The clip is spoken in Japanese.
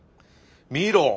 見ろ